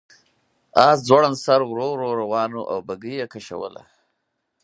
آس ځوړند سر ورو ورو روان و او بګۍ یې کش کوله.